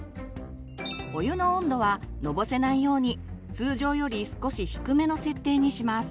お湯の温度はのぼせないように通常より少し低めの設定にします。